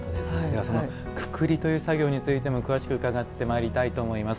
くくりという作業についても詳しく伺ってまいりたいと思います。